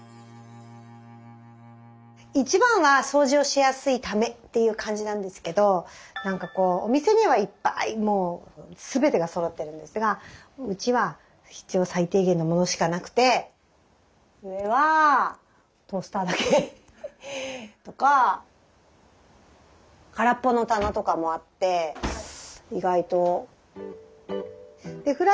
一番は掃除をしやすいためっていう感じなんですけど何かこうお店にはいっぱいもう全てがそろってるんですがうちは必要最低限のものしかなくて上はトースターだけとか空っぽの棚とかもあって意外と。